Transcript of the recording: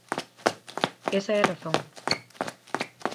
Esa é razón.